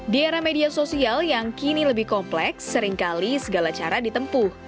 di era media sosial yang kini lebih kompleks seringkali segala cara ditempuh